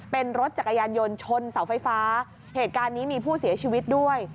เป็นรถจักรยานยนต์ชนเสาไฟฟ้าเหตุการณ์นี้มีผู้เสียชีวิตด้วย